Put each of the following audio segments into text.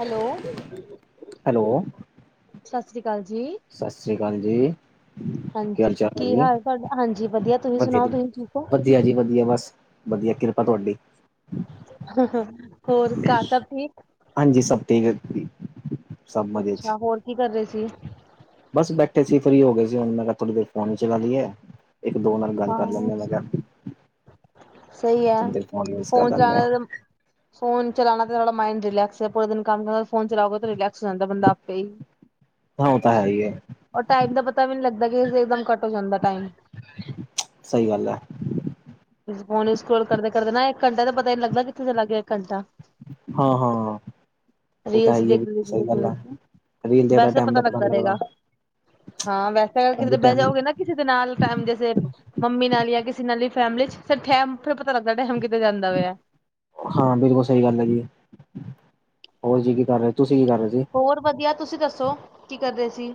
Hello? Hello, ਸਤਿ ਸ਼੍ਰੀ ਅਕਾਲ ਜੀ? ਸਤਿ ਸ੍ਰੀ ਅਕਾਲ ਜੀ? ਕੀ ਹਾਂਜੀ ਹਾਲ ਚਾਲ ਹੈ ਜੀ? ਹਾਲ ਤੁਹਾਡਾ ਹਾਂਜੀ ਵਧੀਆ ਤੁਸੀਂ ਵ ਸੁਣਾਓ ਤੁਸੀਂ ਠੀਕ ਹੋ? ਵਧੀਆ ਜੀ ਵਧੀਆ ਬਸ ਵਧੀਆ ਕਿਰਪਾ ਤੁਹਾਡੀ! ਹੋਰ ਘਰ ਸਭ ਠੀਕ? ਹਾਂਜੀ, ਸਭ ਠੀਕ ਹੈ? ਅੱਛਾ, ਹੋਰ ਕੀ ਕਰ ਰਹੇ ਸੀ? ਬਸ ਬੈਠੇ ਸੀ, ਫਰੀ ਹੋ ਗਏ ਸੀ। ਹੁਣ ਮੈਂ ਕਿਹਾ ਥੋੜੀ ਦੇਰ ਫੋਨ ਹੀ ਚਲਾ ਲਈ ਏ। ਇੱਕ ਦੋ ਨਾਲ ਗੱਲ ਕਰ ਹਾਂ ਲੈਂਦੇ ਆ ਮੈਂ ਕਿਹਾ, ਸਹੀ ਹੈ ਥੋੜੀ ਦੇਰ ਫੋਨ ਯੂਜ ਕਰ ਲੈਂਦੇ ਆ। ਫੋਨ ਚਲਾਣਾ ਥੋੜਾ ਮਾਈੰਡ ਰਿਲੈਕਸ ਹੈ। ਪੂਰਾ ਦਿਨ ਕੰਮ ਕਰਨਾ ਫੋਨ ਚਲਾਓਗੇ? ਰਿਲੈਕਸ ਹੋ ਜਾਂਦਾ ਬੰਦਾ ਆਪੇ ਹੀ। ਹਾਂ ਉਹ ਤਾਂ ਹੈ ਹੀ ਹੈ, ਔਰ ਟਾਈਮ ਦਾ ਪਤਾ ਵੀ ਨਹੀਂ ਲੱਗਦਾ, ਕਿ ਇਕਦਮ ਘੱਟ ਹੋ ਜਾਂਦਾ ਟਾਈਮ। ਸਹੀ ਗੱਲ ਹੈ। ਫੋਨ ਇਸਕਰੋਲ ਕਰਦੇ ਕਰਦੇ ਨਾ, ਇੱਕ ਘੰਟਾ ਤੇ ਪਤਾ ਹੀ ਨਹੀਂ ਲੱਗਦਾ, ਕਿੱਥੇ ਚਲਾ ਗਿਆ ਇੱਕ ਘੰਟਾ। ਹਾਂ ਹਾਂ? ਉਹ ਤਾਂ ਰੀਲਸ ਹੈਈ ਹੈ। ਦੇਖਦੇ ਸਹੀ ਦੇਖਦੇ ਗੱਲ ਐ, ਦੇਖਦੇ ਰੀਲ ਦੇਖਦੇ ਟਾਇਮ ਦਾ ਪਤਾ ਨਹੀਂ ਲੱਗਦਾ। ਹਾਂ, ਵੈਸੇ ਅਗਰ ਹਾਂਜੀ ਕਿਦਰੇ ਬਹਿ ਟਾਈਮ ਜਾਓਗੇ ਨਾ, ਕਿਸੇ ਦੇ ਨਾਲ, ਜੈਸੇ ਮੰਮੀ ਨਾਲ, ਜਾਂ ਕਿਸੇ ਨਾਲ ਵੀ? ਫੈਮਲੀ ਚ- ਫਿਰ ਟਹਿਮ ਫਿਰ ਪਤਾ ਲੱਗਦਾ ਟਾਈਮ ਕਿਤੇ ਜਾਂਦਾ ਪਾਇਆ। ਹਾਂ, ਬਿਲਕੁਲ ਸਹੀ ਗੱਲ ਹੈ ਜੀ। ਹੋਰ ਜੀ ਕੀ ਕਰ ਰਹੇ, ਤੁਸੀਂ ਕੀ ਕਰ ਰਹੇ ਸੀ? ਹੋਰ ਵਧੀਆ, ਤੁਸੀਂ ਦੱਸੋ ਕੀ ਕਰਦੇ ਸੀ?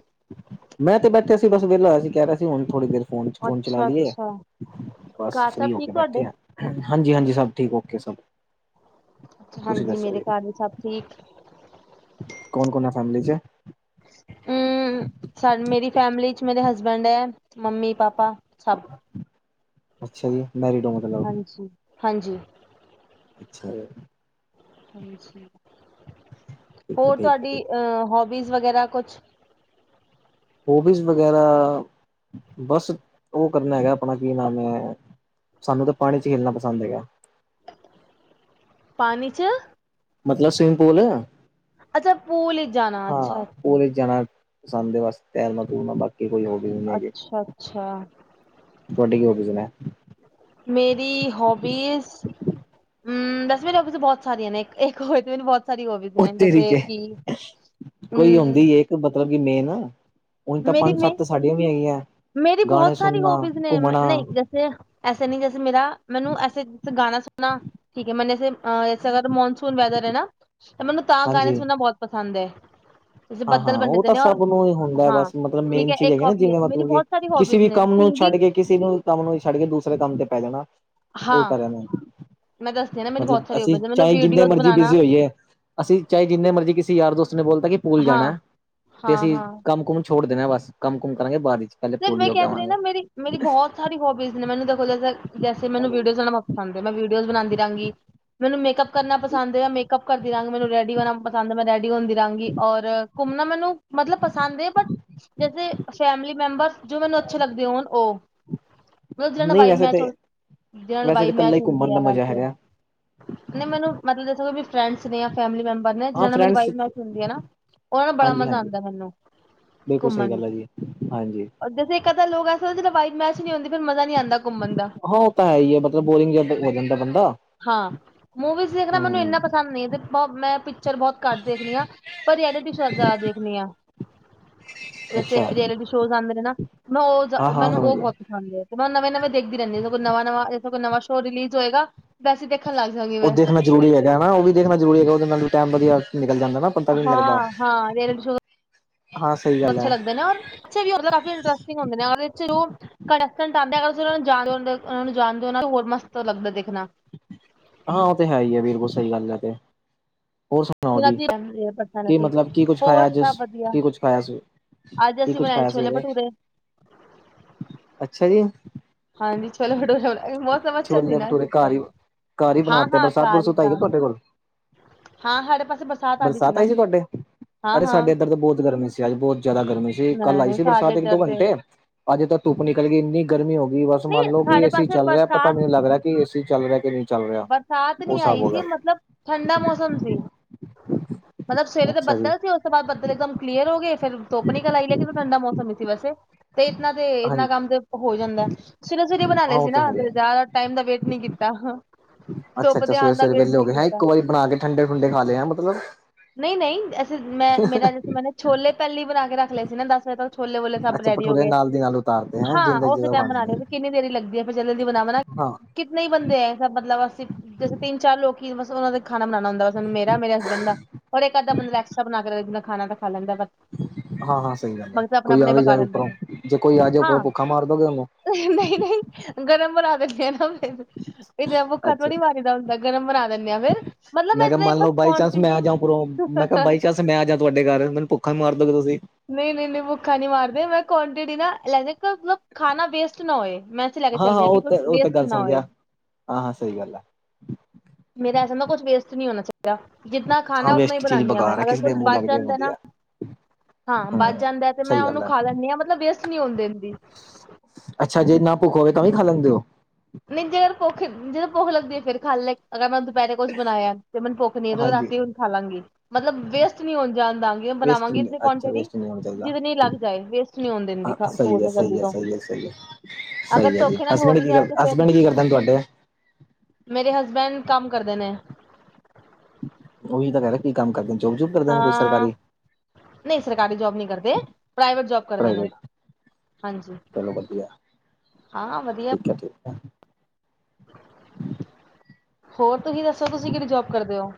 ਮੈਂ ਤੇ ਬੈਠਿਆ ਸੀ, ਬਸ ਵੇਲਾ ਹੋਇਆ ਸੀ। ਕਹਿ ਰਿਹਾ ਸੀ ਹੁਣ ਥੋੜ੍ਹੀ ਦੇਰ? ਫੋਨ ਚ ਫੋਨ ਚਲਾ ਅੱਛਾ ਲਈਏ! ਅੱਛਾ। ਬਸ ਘਰ ਫਰੀ ਸਭ ਹੋ ਕੇ ਠੀਕ ਬੈਠੇ ਤੁਹਾਡੇ? ਹਾਂ। ਹਾਂਜੀ ਹਾਂਜੀ, ਸਭ ਠੀਕ ਓਕੇ ਸਭ। ਤੁਸੀਂ ਹਾਂਜੀ, ਦੱਸੋ ਮੇਰੇ ਘਰ ਵੀ ਸਭ ਠੀਕ। ਕੋਣ ਕੋਣ ਹੈ ਫੈਮਲੀ ਚ? ਹੂੰ, ਸਾਰੀ ਮੇਰੀ ਫੈਮਲੀ ਚ ਮੇਰੇ ਹਸਬੈਂਡ ਹੈ ਮੰਮੀ ਪਾਪਾ ਸਭ। ਅੱਛਾ ਜੀ, ਮੈਰੀਡ ਹੋ ਮਤਲਬ? ਹਾਂਜੀ। ਅੱਛਾ ਹੈ। ਠੀਕ ਐ ਹੋਰ ਠੀਕ ਤੁਹਾਡੀ ਐ ਅਆ ਹੋਬੀਜ਼ ਵਗੈਰਾ ਕੁਛ? ਹੋਬੀਜ਼ ਵਗੈਰਾ! ਬਸ ਉਹ ਕਰਨਾ ਹੈਗਾ। ਆਪਣਾ ਕੀ ਨਾਮ ਹੈ, ਸਾਨੂੰ ਤਾਂ ਪਾਣੀ ਚ ਖੇਲਣਾ ਪਸੰਦ ਹੈਗਾ। ਪਾਣੀ ਚ? ਮਤਲਬ ਸਵਿਮਿੰਗ ਪੂਲ, ਅੱਛਾ ਪੂਲ ਵਿੱਚ ਜਾਣਾ ਅੱਛਾ ਹਾਂ। ਅੱਛਾ। ਪੂਲ ਵਿੱਚ ਜਾਣਾ ਪਸੰਦ ਦੇ ਵਾਸਤੇ ਤੈਰਨਾ ਤੁਰਨਾ ਬਾਕੀ ਕੋਈ ਹੋਬੀ ਵੀ ਨੀਂ ਹੈਗੀ। ਅੱਛਾ ਅੱਛਾ ਤੁਹਾਡੀ ਕੀ ਹੋਬੀਜ਼ ਨੇਂ। ਮੇਰੀ ਹੋਬੀਜ਼ ਹਮ, ਬਸ ਮੇਰੇ ਅੱਗ ਚ ਬਹੁਤ ਸਾਰੀਆਂ ਨੇ ਇੱਕ ਹੋਏ ਤੇ ਮੈਨੂੰ ਬਹੁਤ [unintelligible] ਸਾਰੀ ਹੋਬਿਜ ਓ ਨੇ ਤੇਰੀ ਜੈਸੇ ਕੇ ਕਿ, ਕੋਈ ਹੂੰ। ਮਤਲਬ ਕਿ ਮੇਨ? ਉਣ ਤਾਂ ਪੰਜ ਸੱਤ ਸਾਡੀਆਂ ਵੀ ਹੈਗੀਆਂ, ਗਾਣੇ ਸੁਣਨਾ, ਘੁੰਮਣਾ,? ਐਸੇ ਨਹੀਂ ਜੈਸੇ ਮੇਰਾ ਮੈਨੂੰ ਐਸੇ ਗਾਣਾ ਸੁਣਣਾ ਠੀਕ ਹੈ ਮੈਨੂੰ ਜੈਸੇ? ਐਸੇ ਅਗਰ ਮੋਨਸੂਨ ਵੈਦਰ ਹੈ ਨਾ, ਤੇ ਮੈਨੂੰ ਤਾਂ ਗਾਣੇ ਸੁਣਨਾ ਬਹੁਤ ਪਸੰਦ ਹੈ। ਹਾਂ ਹਾਂ, ਉਹ ਤਾਂ ਸਭ ਨੂੰ ਹੀ ਹੁੰਦਾ ਬਸ, ਮਤਲਬ ਮੇਨ ਚੀਜ਼ ਹੈਗਾ ਨਾ! ਜਿਵੇਂ ਮਤਲਬ ਕਿ। ਕਿਸੇ ਵੀ ਕੰਮ ਨੂੰ ਛੱਡ ਕੇ, ਕਿਸੇ ਨੂੰ ਕੰਮ ਨੂੰ ਛੱਡ ਕੇ, ਦੂਸਰੇ ਕੰਮ ਤੇ ਪੈ ਜਾਣਾ। ਉਹ ਕਰ ਆਂਦੇ ਹਾ। ਮਤਲਬ ਅਸੀਂ ਚਾਹੇ ਜਿੰਨੇ ਮਰਜ਼ੀ ਬਿਜ਼ੀ ਹੋਈਏ? ਅਸੀਂ ਚਾਹੇ ਜਿੰਨੇ ਮਰਜ਼ੀ, ਕਿਸੇ ਯਾਰ ਦੋਸਤ ਨੇ ਬੋਲਤਾ ਕਿ ਪੂਲ ਜਾਣਾ, ਤੇ ਅਸੀਂ ਕੰਮ ਕੁਮ? ਛੋੜ ਦੇਣਾ ਏ ਬਸ, ਕੰਮ ਕੁਮ ਕਰਾਂਗੇ ਬਾਅਦ ਇੱਚ ਸਰ ਮੈਂ ਕਹਿ ਤੇ ਰਹੀ ਨਾਂ, ਮੇਰੀ ਮੇਰੀ ਬਹੁਤ ਸਾਰੀ ਹੋਬੀਜ਼ ਮੈਨੂੰ ਦੇਖੋ, ਜੇ ਜੈਸੇ ਮੈਨੂੰ ਵੀਡੀਓਜ਼ ਬਣਾਣਾ ਪਸੰਦ ਐ, ਮੈਂ ਵੀਡੀਓਜ਼ ਬਣਾਉਦੀ ਰਹਾਂਗੀ। ਮੈਨੂੰ ਮੇਕਅਪ ਕਰਨਾ ਪਸੰਦ ਐ, ਮੇਕਅਪ ਕਰਦੀ ਰਹਾਂਗੀ, ਮੈਨੂੰ ਰੈਡੀ ਹੋਣਾ ਪਸੰਦ ਐ, ਮੈਂ ਰੈਡੀ ਹੁੰਦੀ ਰਹਾਂਗੀ ਔਰ ਘੁੰਮਣਾ ਮੈਨੂੰ ਮਤਲਬ ਪਸੰਦ ਏ, ਬਟ ਜੈਸੇ ਫੈਮਲੀ ਮੈਂਬਰਸ ਜੋ ਮੈਨੂੰ ਅੱਛੇ ਲੱਗਦੇ ਹੋਣ ਉਹ ਮਤਲਬ ਜਿਨ੍ਹਾਂ ਨਾਲ ਨਹੀਂ ਵਾਈਬ ਵੈਸੇ ਮੈਚ, ਤੇ ਜਿਨ੍ਹਾਂ ਨਾਲ ਵੈਸੇ ਤਾਂ ਵਾਈਬ ਇਕੱਲਾ ਮੈਚ ਹੀ ਹੁੰਦੀ ਘੁੰਮਣ ਦਾ ਐ ਮਜ਼ਾ ਵੈਸੇ ਹੈਗਾ ਨ੍ਹੀਂ ਮੈਨੂੰ ਮਤਲਬ ਦੱਸੋਗੇ ਵੀ ਫਰੈਂਡਸ ਨੇਂ ਜਾਂ ਫੈਮਲੀ ਮੈਂਬਰ ਨੇਂ, ਹਾਂ ਜਿਨ੍ਹਾਂ ਨਾਲ ਮੇਰੀ ਫਰੈਂਡਸ ਵਾਈਬ ਮੈਚ ਹੁੰਦੀ ਏਨਾਂ, ਉਹਨਾਂ ਨਾਂ ਬੜਾ ਮਜ਼ਾ ਹਾਂਜੀ-ਹਾਂਜੀ ਆਂਦਾ ਮੈਨੂੰ। ਬਿਲਕੁਲ ਸਹੀ ਘੁੰਮਣ ਗੱਲ ਵਿੱਚ ਐ ਜੀ, ਹਾਂਜੀ। ਜੈਸੇ ਇੱਕ ਅੱਧਾ ਲੋਕ ਅਸਲ ਜਦ ਵਾਈਬ ਮੈਚ ਨੀਂ ਹੁੰਦੀ ਫਿਰ ਮਜ਼ਾ ਨੀਂ ਆਂਦਾ ਘੁੰਮਣ ਦਾ। ਹਾਂ ਉਹ ਤਾਂ ਹੈ ਈ ਐ, ਮਤਲਬ ਬੋਰਿੰਗ ਜਿਆ ਹੋ ਜਾਂਦਾ ਬੰਦਾ। ਹਾਂ ਮੂਵੀਜ਼ ਦੇਖਣਾ ਮੈਨੂੰ ਹੂੰ ਇਨਾ ਪਸੰਦ ਨ੍ਹੀਂ ਤੇ ਮੈਂ ਪਿਕਚਰ ਬਹੁਤ ਘੱਟ ਦੇਖਦੀ ਆਂ, ਪਰ ਰਿਐਲਿਟੀ ਸ਼ੋ ਜ਼ਿਆਦਾ ਦੇਖ ਣੀ ਆਂ। ਜੈਸੇ ਅੱਛਾ ਰਐਲਿਟੀ ਸ਼ੋਜ਼ ਆਂਦੇ ਨੇ ਨਾਂ, ਮੈਂ ਉਹ ਹਾਂ-ਹਾਂ ਮੈਨੂੰ ਸਮਝ ਉਹ ਗਿਆ ਬਹੁਤ ਹਾਂਜੀ, ਤੇ ਮੈਂ ਨਵੇਂ-ਨਵੇਂ ਦੇਖਦੀ ਰਹਿੰਦੀ, ਜਿਵੇਂ ਕੋਈ ਨਵਾਂ-ਨਵਾਂ ਜੇਸੈ ਕੋਈ ਨਵਾਂ ਸ਼ੋ ਰਿਲੀਜ਼ ਹੋਏਗਾ ਵੈਸੀ ਦੇ ਖਣ ਲੱਗ ਜਾਂਗੀ ਉਹ ਮੈਂ ਦੇਖਣਾ ਜ਼ਰੂਰੀ ਹੈਗਾ ਨਾਂ, ਉਹ ਵੀ ਦੇਖਣਾ ਜ਼ਰੂਰੀ ਹੈਗਾ, ਉਹਦੇ ਨਾਲ ਵੀ ਟਾਈਮ ਵਧੀਆ ਨਿਕਲ ਜਾਂਦਾ ਨਾਂ। ਹਾਂ ਹਾਂ, ਰਿਏਲਟੀ ਸੋ਼ਅ ਹਾਂ ਸਹੀ [inaudible] ਗੱਲ ਅੱਛੇ ਹੈ ਲੱਗਦੇ ਨੇਂ ਔਰ ਵੀ ਉਹਦੇ ਕਾਫੀ ਇੰਟਰਸਟਿੰਗ ਹੁੰਦੇ ਨੇਂ [unintelligible] ਘੜਣਟ ਆਉਂ ਅਰ ਤੁਸੀਂ ਉਹ ਨੂੰ ਜਾਣਦੇ ਉਹ ਨੂੰ ਜਾਣਦੇ ਹੋ, ਉਹਨਾਂ ਨੂੰ ਹੋਰ ਮਸਤ ਲੱਗਦਾ ਦੇਖਣਾ। ਹਾਂ ਉਹ ਤੇ ਹੈ ਈ ਐ, ਬਿਲਕੁਲ ਸਹੀ ਗੱਲ ਐ ਤੇ, ਹੋਰ ਸੁ ਣਾਓ ਜਿਹਨਾਂ ਜੀ ਦੀ ਕੀ ਪਰਸਨੈਲਿਟੀ ਮਤਲਬ ਕੀ ਕੁੱਝ ਖਾਇਆ ਹੋਰ ਅੱਜ ਸਭ ਵਧੀਆ ਕੀ ਕੁੱਛ ਖਾਇਆ ਸੀ। ਅੱਜ ਕੀ ਅਸੀਂ ਕੁਛ ਬਣਾਏ ਖਾਇਆ ਛੋਲੇ ਸਵੇਰੇ? ਭਟੂਰੇ। ਅੱਛਾ ਜੀ। ਹਾਂਜੀ ਸ਼ੋਲੇ ਭਠੁਰੇ ਮੌਸਮ ਅੱਛਾ ਸੀ ਛੋਲੇ ਨਾਂ, ਭਟੂਰੇ ਇਸ ਘਰ ਹੀ ਕਰਕੇ। ਘਰ ਹੀ ਹਾਂ ਬਣਾ ਤੇ ਹਾਂ ਬਰਸਾਤ ਕਾਰ ਹੀ ਬਰਸੂਤ ਆਈ ਕਿ ਕਾਰ ਹੀ ਤੁਹਾਡੇ ਕੋਲ। ਹਾਂ ਸਾਡੇ ਪਾਸੇ ਆ ਗਈ ਬਰਸਾਤ ਨਾ ਆਈ ਸੀ ਤੁਹਾਡੇ? ਹਾਂ ਅਰੇ ਹਾਂ ਸਾਡੇ ਇੱਧਰ ਤਾਂ ਬਹੁਤ ਗਰਮੀ ਸੀ। ਅੱਜ ਬਹੁਤ ਜ਼ਿਆਦਾ ਗਰਮੀ ਸੀ, ਕੱਲ ਨਹੀਂ ਆਈ ਨਹੀਂ ਸੀ ਸਾਡੇ ਬਰਸਾਤ ਇੱਧਰ ਇੱਕੋ ਤੇ ਘੰਟੇ ਅੱਜ ਤਾਂ ਧੁੱਪ ਨਿਕਲ ਗਈ ਇੰਨੀ ਗਰਮੀ ਹੋ ਗਈ ਬਸ ਨਹੀਂ ਮੰਨ ਲਓ ਸਾਡੇ ਕਿ ਅਸੀਂ ਪਾਸੇ ਚੱਲ ਰਿਹਾ ਪਤਾ ਬਰਸਾਤ ਮੈਨੂੰ ਲੱਗ ਰਿਆ ਤੇ ਏ ਸੀ ਚੱਲ ਰਿਹਾ ਕਿ ਨਈਂ। ਬਰਸਾਤ ਨੀਂ ਆਈ ਸੀ ਮਤਲਬ ਠੰਡਾ ਮੌਸਮ ਸੀ। ਮਤਲਬ ਸਵੇਰੇ ਤੇ ਅੱਛਾ ਜੀ ਬੱਦਲ ਸੀ ਉਸ ਤੋਂ ਬਾਅਦ ਬਦਲ ਇਕ ਦਮ ਕਲੀਅਰ ਹੋ ਗਏ ਫਿਰ ਧੁੱਪ ਨਿਕਲ ਆਈ ਲੇਕਿਨ ਠੰਡਾ ਮੌਸਮ ਹੀ ਸੀ ਵੈਸੇ ਤੇ ਇਤਨਾਂ ਦੇ ਇਨਾਂ ਹਾਂਜੀ ਕੰਮ ਤੇ ਹੋ ਜਾਂਦਾ ਸਵੇਰੇ-ਸਵੇਰੇ ਬਣਾ ਹਾਂ ਲਏ ਉਹ ਸੀ ਤਾਂ ਹੈ ਨਾਂ ਹੀ ਹੈ। ਜ਼ਿਆਦਾ ਟਾਈਮ ਦਾ ਵੇਟ ਨਹੀਂ ਕੀਤਾ। ਅੱਛਾ ਧੁੱਪ ਅੱਛਾ, ਦੇ ਆਣ ਦਾ ਸਵੇਰੇ-ਸਵੇਰੇ ਵੇਟ ਵੇਲੇ ਹੋ ਨਹੀਂ ਗਏ ਹੈਂ, ਕੀਤਾ ਇੱਕ ਵਾਰੀ ਬਣਾ ਕੇ ਠੰਡੇ ਠੁੰਡੇ ਖਾ ਲਏ ਮਤਲਬ ਨਈਂ, ਨਈਂ ਐਸੇ ਮੈਂ ਮੇਰਾ ਜੈਸੇ ਮੈਂਨੇ ਛੋਲੇ ਪਹਿਲੀ ਬਣਾ ਕੇ ਰੱਖ ਲਏ ਸੀ ਨਾ ਦਸ ਵਜੇ ਤੱਕ ਛੋਲੇ ਵੋਲੇ ਸਭ ਅੱਛਾ ਰੈਡੀ ਹੋ ਭਠੂਰੇ ਗਏ ਨਾਲ ਦੀ ਨਾਲ ਉਤਾਰਦੇ ਹੈ ਹਾਂ, ਜਿੰਦਾ ਉਸੇ ਜਿੰਦਾ ਟਾਈਮ ਖਾਣੇ ਨੇ ਮਨਾਉਲ ਕਿੰਨੀ ਦੇਰੀ ਲੱਗਦੀ ਐ ਫਿਰ ਜਦੀ ਬਨਾਵ ਨਾ ਹਾਂ ਕਿਤਨੇਂਈਂ ਬੰਦੇ ਏਂ, ਮਤਲਬ ਅਸੀਂ ਜੈਸੇ ਤਿੰਨ ਚਾਰ ਲੋਕੀ ਬਸ ਉਹਨਾਂ ਦਾ ਖਾਣਾ ਬਣਾਣਾ ਹੁੰਦਾ ਵਾ, ਮੇਰਾ, ਮੇਰੇ ਹਸਬੈਂਡ ਦਾ। ਔਰ ਇੱਕ ਅੱਧਾ ਬੰਦੈ ਐਕਸਟਰਾ ਬਨਾ ਕੇ ਰੱਖ ਦਿੰਦਾ ਖਾਨਾ ਤਾਂ। ਖਾਲਦਾ ਬ [inaudible] ਹਾਂ ਹਾਂ ਸਹੀ ਗੱਲ ਐ। ਕੋਈ ਆਵੇ ਪਕਾ ਜਾਵੇ ਲੈਂਦੇ ਉੱਪਰੋਂ ਨੇ ਜੇ ਕੋਈ ਆ ਜਾਵੇ ਉੱਪਰੋਂ, ਭੁੱਖਾ ਮਾਰਦੋਗੇ ਉਹਨੂੰ [unintelligible] ਨਈ, ਨਈ, ਗਰਮ ਬਣਾ ਦਿਣੇ ਆਂ ਫਿਰ ਇਹਦੇ ਭੁੱਖਾ ਅੱਛਾ ਥੋੜ੍ਹੀ ਮਾਰੀ ਦਾ ਹੁੰਦਾ ਗਰਮ ਬਣਾ ਦਿੰਣੇ ਆਂ ਫੇਰ ਮਤਲਬ ਮੈਂ ਕਿਹਾ ਇੰਤਨੇਂ ਮੰਨ ਲਓ ਬਾਈ ਕਵਾ ਚਾਂਸ ਮੈਂ ਆ ਜਾ [unintelligible] ਉਪਰੋਂ ਮੈਂ ਕਿਹਾ ਬਾਈ ਚਾਂਸ ਮੈਂ ਆ ਜਾ ਤੁਹਾਡੇ ਘਰ ਮੈਂਨੂੰ ਭੁੱਖਾ ਮਾਰ ਦੋਗੇ ਤੁਸੀਂ। ਨਈਂ ਨਈਂ ਨਈਂ, ਭੁੱਖਾ ਨੀਂ ਮਾਰਦੇ ਮੈਂ ਕੁਆਂਟਿਟੀ ਨਾਂ ਲੈਦੇ ਮਤਲਬ ਖਾਣਾ ਵੇਸਟ ਨਾ ਹੋਏ ਮੈਂ ਲੈ ਕੇ ਹਾਂ ਹਾਂ ਚੱਲਣੀ ਆ ਕਿ ਉਹ ਕੁਛ ਤਾਂ ਉਹ ਤਾਂ ਵੇਸਟ ਗੱਲ ਨਾ ਸਮਝ ਹੋਏ। ਗਿਆ ਹਾਂ ਹਾਂ ਸਹੀ ਗੱਲ ਹੈ ਮੇਰਾ ਐਸ ਨਾਂ ਕੁਛ ਵੇਸਟ ਨਹੀਂ ਹੋਣਾ ਚਾਹੀਦਾ ਜਿੱ ਖਾਣਾ ਹਾਂ ਉਤਨਾ ਹੀ ਵੇਸਟ ਚੀਜ਼ ਬਣਾਉਂਦੀ ਹਾਂ ਮੈਂ ਬੇਕਾਰ ਹੈ ਅਗਰ ਕਿਸੇ ਕੁਛ ਦੇ ਮੂੰਹ ਬਚ ਲੱਗ ਜਾਏ ਜਾਂਦਾ ਨਾਂ ਵਧੀਆ ਹਾਂ ਬਚ ਹੂੰ ਜਾਂਦਾ ਤੇ ਮੈਂ ਸਹੀ ਉਹਨੂੰ ਗੱਲ ਹੈ ਖਾ ਲੈਂਣੀ ਆਂ ਮਤਲਬ ਵੇਸਟ ਨਈਂ ਹੋਣ ਦਿੰਦੀ। ਅੱਛਾ ਜੇ ਨਾਂ ਭੁੱਖ ਹੋਵੇ ਤਾਂ ਵੀ ਖਾ ਲੈਂਦੇ ਔ। ਨੀ ਜੇ ਕਰ ਭੁੱਖ, ਨ ਜੇ ਭੁੱਖ ਲਗਦੀ ਫਿਰ ਖਾ ਲੈ ਕੇ [unintelligible] ਅਗਰ ਮੈਂ ਦੁਪੈਰੇ ਕੁਛ ਬਨਾਇਐ, ਤੇ ਮੈਨੂੰ ਭੁੱਖ ਨੀ ਤੇ ਹਾਂਜੀ ਰਾਤੀ ਖਾਲਾਂਗੀ ਮਤਲਬ ਵੇਸਟ ਨਹੀਂ ਹੋਨ ਜਾਨ ਦਾਂਗੀ, ਵੇਸਟ ਬਨਾਵਾਂਗੀ ਉਤਨੀ ਅੱਛਾ ਕੁਆਂਟਿਟੀ, ਵੇਸਟ ਨਹੀਂ ਹੋਣਾ ਚਾਹੀਦਾ ਜਿਤਨੀ ਲੱਗ ਜਾਏ, ਵੇਸਟ ਨੀ ਹੋਨ ਦਿੰਦੀ। ਹਾਂ ਸਹੀ ਫੂਡ ਹੈ ਮੈਂ ਸਹੀ ਜਲਦੀ ਹੈ ਤੋਂ ਸਹੀ ਸਹੀ ਸਹੀ ਅਗਰ ਜੀ ਧੋਖੇ ਨਾਲ ਹੋ ਹਸਬੈਂਡ ਵੀ ਕੀ ਜਾਏ ਕਰ ਤੇ ਫਿਰ ਹਸਬੈਂਡ ਕੀ ਕਰਦਾ ਤੁਹਾਡੇ? [unintelligible] ਮੇਰੇ ਹਸਬੈਂਦ ਕੰਮ ਕਰਦੇ ਨੇ। ਉਹੀ ਤਾਂ ਕਹਿ ਰੇਆਂ ਕੀ ਕੰਮ ਕਰਦੇਨ, ਜੋਬ ਜੂਬ ਕਰਦੇਨ ਕੋਈ ਸਰਕਾਰੀ? ਨਈਂ ਸਰਕਾਰੀ ਜੋਬ ਨਈਂ ਕਰਦੇ, ਪ੍ਰਾਈਵੇਟ ਜੋਬ ਕਰਦੇ ਨੇ, ਪ੍ਰਾਈਵੇਟ ਹਾਂਜੀ। ਚਲੋ ਵਧੀਆ। ਹਾਂ ਵਧੀਆ। ਮੈਂ ਕਿਆ ਠੀਕ ਐ। ਹੋਰ ਤੁਸੀ ਦੱਸੋ ਤੁਸੀ ਕਿਹੜੀ ਜੌਬ ਕਰਦੇ ਓ?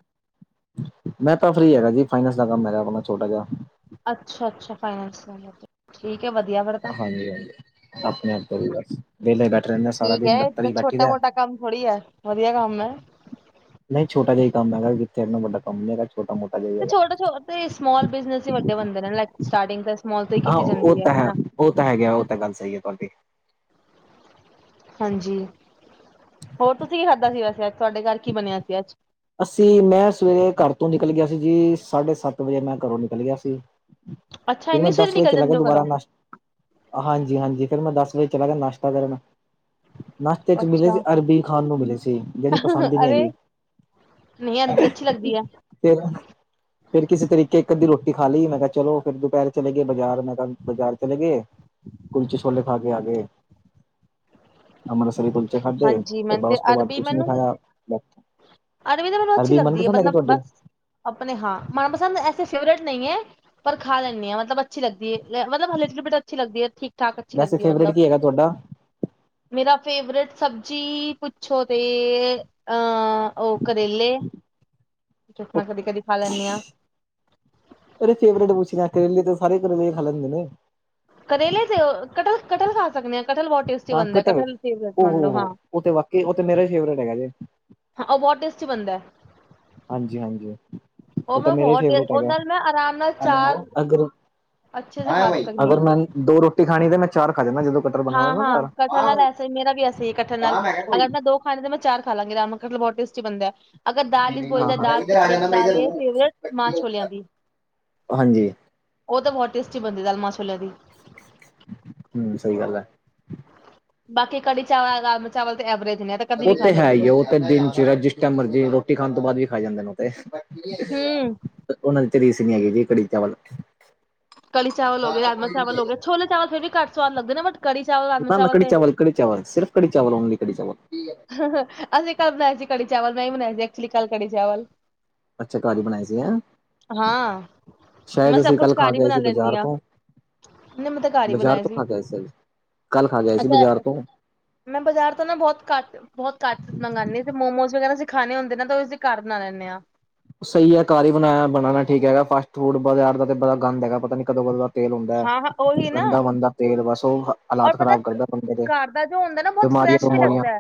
ਮੈਂ ਤਾਂ ਫਰੀ ਹੈਗਾ ਜੀ, ਫਾਈਨੈਂਸ ਦਾ ਕੰਮ ਹੈਗਾ ਆਪਣਾ ਛੋਟਾ ਜਿਹਾ। ਅੱਛਾ, ਅੱਛਾ, ਫਾਈਨਸ। ਠੀਕ ਐ ਵਧੀਆ। ਹਾਂਜੀ, ਹਾਂਜੀ ਆਪਣੇ ਆਪ ਤੋਂ ਵੀ ਬ ਵੈਹਲੇ ਬੈਠੇ [unintelligible] ਠੀਕ ਦਿਨ ਐ ਦਫ਼ਤਰ ਹੀ ਬੈਠੀ ਛੋਟਾ ਦਾ ਮੋਟਾ ਕੰਮ ਥੋੜੀ ਐ, ਵਧੀਆ ਕੰਮ ਐ। ਨਈਂ ਛੋਟਾ ਜਿਈ ਕੰਮ ਹੈਗਾ, ਕਿੱਥੇ ਇੰਨਾ ਵੱਡਾ ਕੰਮ ਨੀਂ ਹੈਗਾ। ਛੋਟਾ ਮੋਟਾ ਜਿਹਾ ਹੀ ਤੇ ਹੈਗਾ ਛੋਟਾ ਛੋਟਾ ਤੇ ਸਮੌਲ ਬਿਜਨਸ ਹੀ ਵੱਡੇ ਬੰਦੇ ਨੇ, ਲਾਈਕ ਸਟਾਰਟਿੰਗ ਤਾਂ ਸਮੌਲ ਤੋਂ ਹੀ ਹਾਂ ਕੀਤੀ ਉਹ ਜਾਂਦੀ ਹੈ, ਤਾਂ ਹਨਾ। ਉਹ ਤਾਂ ਹੈਗੇ ਆ, ਉਹ ਤਾਂ ਗੱਲ ਸਈ ਐ ਤੁਵਾਡੀ। ਹਾਂਜੀ, ਹੋਰ ਤੁਸੀਂ ਕੀ ਖਾਧਾ ਸੀ ਵੈਸੇ ਅੱਜ ਤੁਹਾਡੇ ਘਰ ਕੀ ਬਨਿਆ ਸੀ ਅੱਜ? ਅਸੀਂ, ਮੈਂ ਸਵੇਰੇ ਘਰ ਤੋਂ ਨਿਕਲ ਗਿਆ ਸੀ ਜੀ, ਸਾਢੇ ਸੱਤ ਵਜੇ ਮੈਂ ਘਰੋਂ ਨਿਕਲ ਗਿਆ ਸੀ। [unintelligible] ਫਿਰ ਮੈਂ ਸਵੇਰੇ ਦਸ ਵਜੇ ਨਿਕਲ ਚਲਾ ਗਿਆ ਜਾਂਦੇ ਹੋ ਦੁਬਾਰਾ, ਘਰੋਂ ਨਸ਼ ਹਾਂਜੀ ਹਾਂਜੀ ਫਿਰ ਮੈਂ ਦਸ ਵਜੇ ਚਲਾ ਗਿਆ ਨਾਸ਼ਤਾ ਲੈਣ। ਨਾਸ਼ਤੇ ਚ ਮਿਲੇ ਸੀ, ਅੱਛਾ ਅਰਬੀ ਖਾਨ ਨੂੰ ਮਿਲੇ ਸੀ, ਜਿਹੜੀ ਪਸੰਦ ਹੀ ਨੀਂ ਹੈਗੀ। ਨਈਂ ਅਰਬੀ ਤਾਂ ਅੱਛੀ ਲੱਗਦੀ ਐ। ਫਿਰ, ਫੇਰ ਕਿਸੇ ਤਰੀਕੇ ਇੱਕ ਅੱਧੀ ਰੋਟੀ ਖਾ ਲਈ, ਮੈਂ ਕਿਹਾ ਚਲੋ ਫੇਰ ਦੁਪਹਿਰ ਚਲੇ ਗਏ ਬਜਾਰ ਮੈਂ ਕ ਬਜਾਰ ਚਲੇ ਗਏ, ਕੁਲਚੇ ਛੋਲੇ ਖਾ ਕੇ ਆਗੇ। ਅੰਮ੍ਰਿਤਸਰੀ ਕੁਲਚੇ ਖਾੱਦੇ, ਹਾਂਜੀ ਫਿਰ ਮੈਨੂੰ ਮੈਂ ਤੇ ਉਸ ਤੋਂ ਬਾਅਦ ਅਰਬੀ ਕੁਛ ਨੀਂ ਮੈਨੂੰ ਖਾਇਆ। ਅਰਬੀ ਤੇ ਮੈਨੂੰ ਅੱਛੀ ਲੱਗਦੀ ਏ ਮਨਪਸੰਦ ਹੈਗੀ ਮਤਲਬ, ਤੁਹਾਡੇ ਬਸ, ਆਪਨੇ ਹਾਂ, ਮਨਪਸੰਦ ਐਸੇ ਫੇਵਰੇਟ ਨਈਂ ਐਂ। ਪਰ ਖਾ ਲੈਂਨੀ ਆਂ ਮਤਲਬ ਅੱਛੀ ਲਗਦੀ ਏ, ਮਤਲਬ ਲਿਟ ਪਿੱਟ ਅੱਛੀ ਲਗਦੀ ਏ, ਠੀਕ ਠਾਕ ਅੱਛੀ ਵੈਸੇ ਲੱਗਦੀ ਹੈ ਫੇਵਰੇਟ ਮਤਲਬ ਕੀ ਹੈਗਾ ਤੁਵਾਡਾ? ਮੇਰਾ ਫੇਵਰੇਟ ਸਬਜੀ, ਪੁੱਛੋ ਤੇ, ਅੰ, ਉਹ ਕਰੇਲੇ। ਜੋ ਮੈਂ ਕਦੀ ਕਦੀ ਖਾ ਲੈਂਨੀ ਆਂ। ਤੁਹਾਡੇ ਫੇਵਰੇਟ ਪੁੱਛ ਰਿਹਾ, ਕਰੇਲੇ ਤੇ ਸਾਰੇ ਕਰੇਲੇ ਖਾ ਲੈਂਦੇ ਨੇ। ਕਰੇਲੇ ਤੇ ਕਟਹਲ ਕਟਹਲ ਖਾ ਸਕਦੇ ਆ, ਕਟਹਲ ਬਹੁਤ ਟੇਸਟੀ ਬਣਦਾ, ਕਟਹਲ ਤੇ ਓ ਮੰਨ ਹੋ ਲਉ ਹੋ। ਹਾਂ। ਉਹ ਤੇ ਵਾਕਿਆ, ਉਹ ਤੇ ਮੇਰਾ ਵੀ ਫੇਵਰੇਟ ਹੈਗਾ ਜੇ। ਹਾਂ ਉਹ ਬਹੁਤ ਟੇਸਟੀ ਬਣਦਾ ਏ। ਹਾਂਜੀ ਹਾਂਜੀ ਉਹ ਤਾਂ ਮੇਰਾ ਬਹੁਤ ਫੇਟ ਉਹ ਹੈਗਾ। ਨਾਲ ਮੈਂ ਆਰਾਮ ਨਾਲ ਚਾਰ ਅੱਛੇ ਸੇ ਖਾ ਸਕਦੀ ਅਗਰ ਹਾਂ ਮੈਂ ਦੋ ਰੋਟੀ ਖਾਣੀ ਤੇ, ਮੈਂ ਚਾਰ ਖਾ ਜਾਂਨਾਂ ਜਦੋਂ ਕਟਰ ਬਣਾ ਹੋਇਆ ਹਾਂ ਨਾ ਘਰ ਹਾਂ, ਕਠਹਲ ਐਸ ਮੇਰਾ ਵੀ ਐਸੇ ਈ ਕਠਹਲ ਨਾਲ, ਅਗਰ ਮੈਂ ਦੋ ਖਾਨੇ ਤਾਂ ਮੈਂ ਚਾਰ ਖਾ ਲਾਂਗੀ ਅਰਾਮ ਨਾਲ ਕਟਹਲ ਬਹੁਤ ਟੇਸਟੀ ਬਨਦੈ। ਅਗਰ ਦਾਲ 'ਚ' ਬੋਲਾ ਤਾਂ ਦਾਲ 'ਚ' ਫੇਵਰਟ ਦਾਲ ਏ ਫੇਵਰੇਟ, ਮਾਂਹ ਛੋਲਿਆਂ ਦੀ। ਹਾਂਜੀ। ਉਹ ਤਾਂ ਬਹੁਤ ਟੇਸਟੀ ਬਨਦੀ ਦਾਲ ਮਾਂਹ ਛੋਲਿਆਂ ਦੀ। ਹੂੰ, ਸਹੀ ਗੱਲ ਐ। ਬਾਕੀ ਕੜੀ ਚਾਵਲ ਰਾਜਮਾਂਹ ਚਾਵਲ ਤੇ ਐਵਰੇਜ ਨੇ, ਏ ਤੇ ਕਦੇ ਵੀ ਉਹ ਖਾ ਹੈ ਸਕਦੇ ਹੀ ਓ। ਆ ਉਹ ਦਿਨ ਚੜ੍ਹਿਆ ਜਿਸ ਟਾਈਮ ਮਰਜ਼ੀ, ਰੋਟੀ ਖਾਨ ਤੋਂ ਬਾਅਦ ਵੀ ਖਾਈ ਜਾਂਦੇ ਨੇ, ਉਹ ਤੇ। ਹੂੰ ਉਹਨਾਂ ਦੀ ਤੇ ਰੀਸ ਨੀ ਹੈਗੀ ਜੀ, ਕੜੀ ਚਾਵਲ। ਕੜੀ ਚਾਵਲ ਹੋ ਗਏ, ਰਾਜਮਾਂਹ ਚਾਵਲ ਹੋ ਗਏ, ਛੋਲੇ ਚਾਵਲ ਫਿਰ ਵੀ ਘੱਟ ਸਵਾਦ ਲੱਗਦੇ ਨੇ ਬਟ ਕੜੀ ਚਾਵਲ ਰਾਜਮਾਂ ਨਾ ਨਾ ਚਾਵਲ ਕੜੀ ਤੇ ਚਾਲ ਕੜੀ ਚਵਲ ਸਿਰਫ਼ ਕੜੀ ਚਾਵਲ ਓਨਲੀ ਕੜੀ ਚਾਵਲ ਅਸੀਂ ਕੱਲ ਬਣਾਏ ਸੀ ਕੜੀ ਚਾਵਲ ਨਹੀਂ ਬਣਾਇਏ ਸੀ ਐਕਚੁਲੀ ਕੱਲ ਕੜੀ ਚਾਵਲ ਅੱਛਾ ਕੀ ਬਣਾਈ ਸੀ ਹੈਂ ਹਾਂ ਸ਼ਾਇਦ ਮੈਂ ਸਭ ਅਸੀਂ ਕੁਛ ਕੱਲ੍ਹ ਖਾ ਘਰ ਹੀ ਕੇ ਆਏ ਬਣਾ ਸੀ ਲੈਂਦੀ ਬਾਜ਼ਾਰ ਹਾਂ ਤੋਂ ਨਹੀਂ ਮੈਂ ਤਾਂ ਘਰ ਹੀ ਬਜ਼ਾਰ ਬਣਾਏ ਤੋਂ ਖਾ ਗਿਆ ਸੀ ਅ ਕੱਲ ਖਾ ਗਿਆ ਸੀ ਅੱਛਾ ਬਾਜ਼ਾਰ ਤੋਂ ਮੈਂ ਬਜ਼ਾਰ ਤੋਂ ਨਾ ਬਹੁਤ ਘੱਟ ਬਹੁਤ ਘੱਟ ਮੰਗਉਂਦੇ ਤੇ ਮੋਮੋਸ ਵਗੈਰਾ ਅਸੀਂਖਾਣੇ ਹੁੰਦੇ ਤਾਂ ਉਹ ਉਸਦੇ ਘਰ ਬਣਾ ਲੈਂਦੇ ਹਾਂ ਸਹੀ ਹੈ ਕਾਰਰ ਹੀ ਬਣਾਇਆ ਬਣਾਣਾ ਠੀਕ ਹੈ ਫਾਸਟੂਡ ਬਾਜ਼ਾਰ ਦਾ ਤੇ ਬੜਾ ਗੰਦ ਹੈਗਾ ਪਤਾ ਨੀ ਕਦੋਂ ਕਦੋਂ ਦਾ ਤੇਲ ਹੁੰਦਾ ਹਾਂ-ਹਾਂ ਉਹੀ ਨਾ ਗੰਦਾ ਬੰਦਾ ਤੇਲ ਬਸ ਉਹ ਔਰ ਹਾਲਾਤ ਪਤਾ ਖ਼ਰਾਬ ਕਰਦਾ ਬੰਦੇ ਦੇ ਘਰ ਦਾ ਜੋ ਹੁੰਦਾ ਨਾ ਬਹੁਤ ਬਿਮਾਰੀਆਂ ਫਰੈਸ਼ ਵੀ ਬਮੂਰੀਆਂ ਲੱਗਦਾ ਹੈ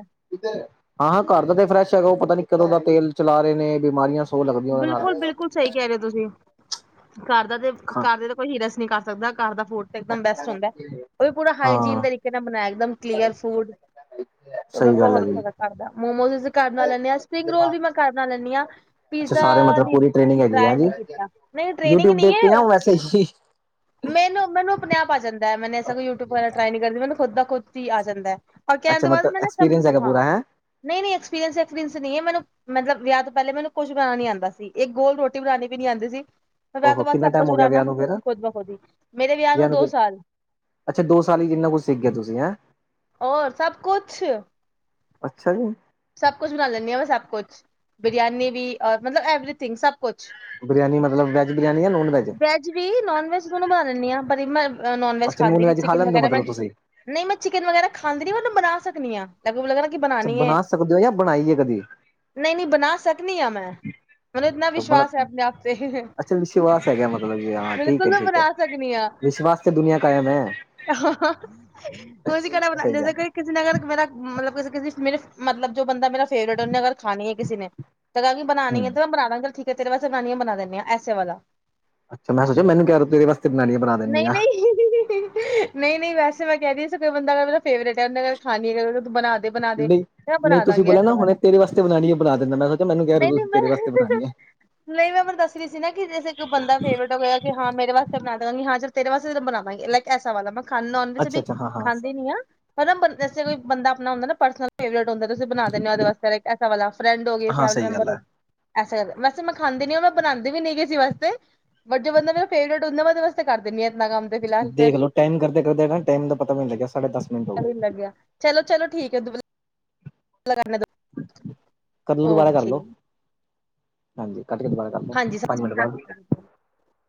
ਹਾਂ ਹਾਂ ਘਰ ਦਾ ਤੇ ਫਰੈਸ਼ ਹੈਗਾ ਉਹ ਪਤਾ ਨੀ ਕਦੋਂ ਦਾ ਤੇਲ ਚਲਾ ਰਹੇ ਨੇ ਬਿਮਾਰੀਆਂ ਸੌ ਲੱਗਦੀਆਂ ਉਹਦੇ ਬਿਲਕੁਲ ਬਿਲਕੁਲ ਸਹੀ ਨਾਲ ਕਹਿ ਰਹੇ ਹੋ ਤੁਸੀਂ ਘਰ ਦਾ ਤੇ ਖਾ ਘਰ ਦਾ ਤਾਂ ਕੋਈ ਹੀਰਾਸ ਨਹੀਂ ਕਰ ਸਕਦਾ ਘਰ ਦਾ ਫੋਰ ਤਾਂ ਇੱਕਦਮ ਬੈਸਟ ਹੁੰਦਾ ਹੈ ਉਹ ਵੀ ਪੂਰਾ ਹਾਈਜੀਨ ਹਾਂ ਤਰੀਕੇ ਨਾਲ ਬਣਾਇਆ ਇਕ ਦਮ ਕਲੀਅਰ ਫੂਡ ਮੇਰੇ ਸਹੀ ਕੋਲ ਗੱਲ ਐ ਬਹੁਤ ਜੀ। ਅੱਛਾ ਕਰਦਾ ਮੋਮੋਸ ਅਸੀਂ ਘਰ ਬਣਾ ਲੈਂਦੇ ਆ, ਸਪਰਿੰਗ ਰੋਲ ਵੀ ਮੈਂ ਘਰ ਬਣਾ ਲੈਂਦੀ ਆ। ਅੱਛਾ ਪੀਜ਼ਾ ਸਾਰੇ ਮਤਲਬ ਪੂਰੀ ਟ੍ਰੇਨਿੰਗ ਹੈਗੀ ਹੈ ਟਰਾਈ ਨੀ ਜੀ ਕੀਤਾ, ਨਹੀਂ ਟ੍ਰੇਨਿੰਗ ਯੂਟਿਊਬ ਨਹੀਂ ਦੇਖ ਕੇ ਆ ਐ। ਵੈਸੇ ਹੀ ਮੈਨੂੰ ਮੈਨੂੰ ਆਪਣੇ ਆਪ ਆ ਜਾਂਦਾ, ਮੈਂ ਐਸਾ ਕੋਈ ਯੂਟੂਬ ਟਰਾਈ ਨਹੀਂ ਕਰਦੀ, ਮੈਨੂੰ ਖੁਦ ਦਾ ਖੁਦ ਹੀ ਆ ਜਾਂਦਾ। ਬਾਕੀ ਅੱਛਾ ਐਤਵਾਰ ਮਤਲਬ ਮੈਂ ਸਭ, ਐਕਸਪੀਰੀਅੰਸ ਹੈਗਾ ਹਾਂ। ਪੂਰਾ ਹੈ ਨਹੀਂ ਐਕਪੀਰੀਅਸ ਐਕਸਪੀਰੀਅਸ ਨਹੀਂ ਹੈ ਮੈਨ ਮਲਬ ਵਿਆਹ ਪਹਿਲੇ ਮੈਨੂੰ ਕੁੱਛ ਬਣਾ ਨੀ ਆਉਂਦਾ ਸੀ ਇੱਕ ਗੋਲ ਰੋਟੀ ਬਣਾਉਣੀ ਵੀ ਨੀ ਆਉਂਦੀ ਸੀ ਫੇਰ ਵਿਆਹ ਓਹੋ ਤੋਂ ਬਾਅਦ ਕਿੰਨਾ ਸਭ ਟਾਈਮ ਕੁਝ ਹੋ ਗਿਆ ਕਰਾਉਣਾ ਵਿਆਹ ਨੂੰ ਫੇਰ ਖੁਦ ਬਖੁਦ ਹੀ ਮੇਰੇ ਵਿਆਹ ਨੂੰ ਦੋ ਸਾਲ ਅੱਛਾ ਦੋ ਸਾਲ ਜਿੰਨਾ ਕੁਛ ਸਿੱਖ ਤੁਸੀਂ ਔਰ ਸਭ ਕੁਛ ਅੱਛਾ ਜੀ ਸਭ ਕੁਛ ਬਣਾ ਲੈਂਦੀ ਹਾਂ ਮੈਂ ਸਭ ਕੁਛ ਬਰਿਆਨੀ ਵੀ ਔਰ ਮਤਲਬ ਐਵਰੀਥਿੰਗ ਸਭ ਕੁਛ ਬਰਿਆਾਨੀ ਮਤਲਬ ਵੈਜ ਬਰਿਆਨੀ ਜਾਂ ਨੋਨ ਵੈਜ ਨੋਨਵੈਜ ਦੋਨੂੰ ਬਣਾ ਲਦੀ ਆ ਪਰ ਮੈਂ ਨੋਨ ਵੈਜ ਅੱਛਾ ਖਾਂਦੀ ਖਾ ਚਿਕਨ ਲੈਂਦੇ ਹੋ ਵਗੈਰਾ ਮੈਂ ਮਤਲਬ ਤੁਸੀਂ ਨਹੀਂ ਮੈਂ ਚਿਕਨ ਵਗੈਰਾ ਖਾਂਦੀ ਰ ਮੈਨੂੰ ਬਣਾ ਸਕਦੀ ਹਾਂ ਲਗਭਰਾ ਲੱਗ ਨਾ ਕਿ ਬਣਾਉਣੀ ਹੈ ਦੇਓ ਜਾਂ ਬਣਾਈਏ ਕਦੇ ਨਹੀਂ ਨਹੀਂ ਬਣਾ ਸਕਦੀ ਆ ਮੈਂ ਮੈਨੂੰ ਇੰਨਾ ਵਿਸ਼ਵਾਸ ਹੈ ਆਪਣੇ ਆਪ ਤੇ ਅੱਛਾ ਵਿਸ਼ਵਾਸ ਹੈਗਾ ਮਤਲਬ ਜੀ ਹਾਂ ਠੀਕ ਬਿਲਕੁਲ ਹੈ ਨੂੰ ਠੀਕ ਹੈ ਬਣਾ ਸਕਣੀ ਹ ਵਿਸ਼ਵਾਸ ਤੇ ਦੁਨੀਆਂ ਕਾਇਮ ਹੈ ਆ ਉਹਸੀ ਕਲਾ ਸਹੀ ਬਣਾਉਦੇ ਗੱਲ ਕੋਈ ਕਿਸੇ ਨਾਰ ਮੇਰਾ ਮਤਲਬ ਕਿਸੇ ਕਿਸੇ ਮੇਰੇ ਮਤਲਬ ਜੋ ਬੰਦਾ ਮੇਰਾ ਫੇਵ ਅਗਰ ਖਾਨੀ ਹੈੇ ਨੇ ਤਾਂ ਕਿ ਬਾਨੀ ਹੂੰ ਹੈੈਂ ਬਣਾ ਠੀ ਤੇਰੇ ਵਸ ਸੈਨਾਨੀਆਂ ਬਣਾ ਦਿੰ ਹ ਆ ਐੇ ਵ ਵਾਲਾ ਅੱਛਾ ਮੈਂ ਸੋਚਿਆ ਮੈਨੂੰ ਕਹਿ ਰਹੇ ਹੋ ਤੇਰੇ ਵਾਸਤੇ ਬਣਾਣੀ ਆ ਬਣਾ ਦਿੰਨੀ ਆ ਨਹੀਂ-ਨਹੀਂ। ਨਹੀਂ-ਨਹੀਂ ਵੈਸੇ ਮੈਂ ਕਹਿਰੀ ਸੀ ਕੋਈ ਬੰਦਾ ਫੇਵਰੇਟ ਹੈ ਖਾਣੀੂੰ ਬਣਾਦੇ- ਬਣਾਦੇ ਨਹੀਂ ਨਹੀਂ ਤੁਸੀਂ ਬੋਲਿਆ ਨਾ ਹੁਣੇ ਤੇਰੇ ਵਾਸਤੇ ਬਣਾਉਣੀ ਬੁ ਦਿੰਦਾ ਮੈਂ ਸੋਚ ਮਨੂੰਹਿ ਰਹੇ ਨਹੀਂ ਨਹੀਂ ਤੁਸੀਂ ਮੈਂ ਤੇਰੇ ਸਤੇ ਬਣਾਉਣੀ ਹੈ ਨਹੀਂ ਮੈਂ ਮੈਨੂੰ ਦੱਸ ਰਹੀ ਸੀ ਨਾ ਕਿ ਜੇ ਕੋਈ ਬੰਦਾ ਫੇ ਹੋ ਗਿਆ ਹ ਮੇਰੇ ਵਾਸਤੇ ਬਣਾ ਦੇਵਾਂ ਹਾਂ ਜ ਤੇਰੇ ਵਾਸਤੇ ਤਾਂ ਬਵਾਂਗੇ ਲਾਈਕ ਐਸਾ ਵਾ ਮੈਂ ਖਾਂਦਾ ਉਹਦੇ ਚ ਅੱਛਾ ਵੀ ਅੱਛਾ ਹਾਂ ਹਾਂ ਖਾਂਦੇ ਨੀ ਆ ਪਰੇ ਕੋਈ ਬੰਦਾ ਆਪਣਾ ਹੁੰਦਾ ਨਾ ਪਰਸਨਲ ਫੇਵਰੇਟ ਹੁੰਦਾ ਤੁਸੀ ਬਣਾ ਦਦੇ ਹੋ ਉਹਦੇ ਵਾਸਤੇਕਸ ਵਾ ਫਰੈਂਡ ਹੋ ਗ ਹਾਂ ਫੈਮਲੀ ਸਹੀ ਮੈਂਬਰ ਗੱਲ ਹੋ ਹੈ ਐ ਕਰਦਾ ਵੈਸੇ ਮੈਂ ਖਾਂਦੀ ਨ ਮੈਂ ਬਣਾਉਂਦੀ ਵੀ ਨ ਕਿਸੇ ਵਾਸਤੇ ਬਟ ਜੋ ਬੰਦਾ ਮੇਰਾ ਫੇਵਰੇਟ ਉਹਨਾਂ ਵਾਸ ਕਰਿੰਦੀ ਆ ਇ ਆਪਨਾ ਕੰਮ ਤੇ ਫਿਲਹਾਲ ਫਿਰ ਦੇਖ ਲਓ ਟਾਈਮ ਕਰਦੇ ਕਰਦੇ ਟਾਈਮ ਦਾ ਪਤਾ ਵੀ ਨੀ ਲੱਗਿਆ ਸਾਢੇ ਦਸ ਮਿੰਟ ਹੋ ਗਏ ਲੱਗਿਆ ਚਲੋ, ਚਲੋ, ਠੀਕ ਹੈ ਦ [unintelligible] ਕਦਲੋ ਦੁਬਾਰਾ ਕਰਲੋ, ਹਾਂਜੀ ਕੱਟ ਕੇ ਦੁਬਾਰਾ ਕਰ ਲੋ ਹਾਂਜੀ ਸਾ ਪੰਜ ਮਿੰਟ ਬਾਅਦ